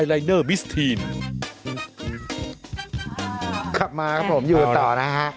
กลับมาครับผมยืนต่อนะฮะ